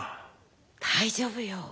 大丈夫よ。